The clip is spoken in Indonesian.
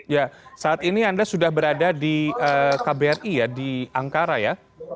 ya saat ini anda sudah berada di kbri ya di ankara ya